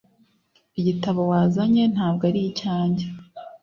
Igitabo wazanye ntabwo ari icyanjye